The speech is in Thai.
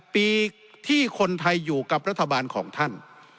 ปีที่คนไทยอยู่กับรัฐบาลของท่าน